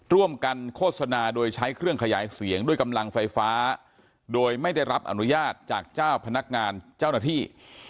ร่วมกันโฆษณาโดยใช้เครื่องขยายเสียงด้วยกำลังไฟฟ้าโดยไม่ได้รับอนุญาตจากเจ้าพนักงานเจ้าหน้าที่